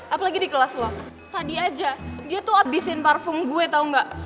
apalagi di kelas lo tadi aja dia tuh abisin parfum gue tau gak